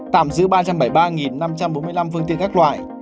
tạm giữ ba trăm bảy mươi ba năm trăm bốn mươi năm phương tiện các loại